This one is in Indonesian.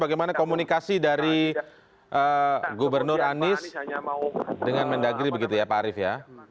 bagaimana komunikasi dari gubernur anies dengan mendagri begitu ya pak arief ya